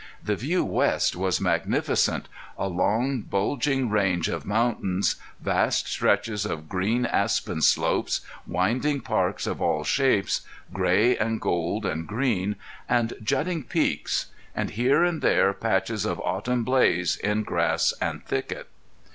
The view west was magnificent a long, bulging range of mountains, vast stretches of green aspen slopes, winding parks of all shapes, gray and gold and green, and jutting peaks, and here and there patches of autumn blaze in grass and thicket.